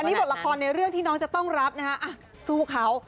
นี่บทละครในเรื่องที่น้องจะต้องรับนะฮะสู้เขา